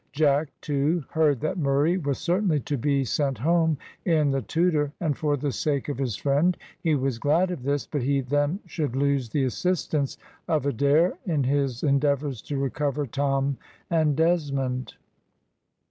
Jack, too, heard that Murray was certainly to be sent home in the Tudor, and for the sake of his friend he was glad of this, but he then should lose the assistance of Adair in his endeavours to recover Tom and Desmond.